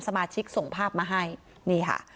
สมาชิกส่งภาพมาให้นี่ค่ะ